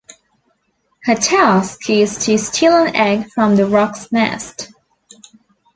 Her task is to steal an egg from the Roc's nest.